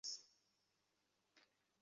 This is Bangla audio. এই পোলা এখানে আগুন লাগিয়ে দেবে।